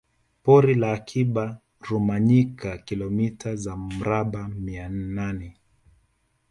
Pori la Akiba Rumanyika kilomita za mraba mia nane